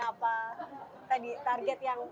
apa tadi target yang